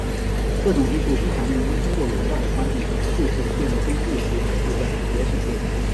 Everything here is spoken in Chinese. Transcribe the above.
这种技术经常用于通过有效地关闭数字电路中未使用的部分来节省电力。